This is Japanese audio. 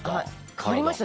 変わりました。